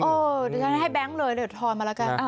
เดี๋ยวฉันให้แบงค์เลยเดี๋ยวทอนมาแล้วกัน